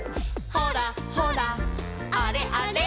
「ほらほらあれあれ」